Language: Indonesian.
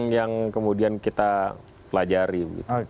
jenis baru yang kemudian kita pelajari